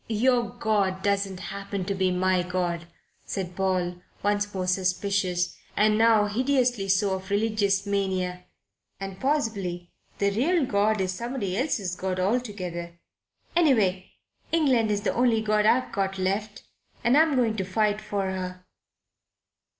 "Your God doesn't happen to be my God," said Paul, once more suspicious and now hideously so of religious mania. "And possibly the real God is somebody else's God altogether. Anyway, England's the only God I've got left, and I'm going to fight for her."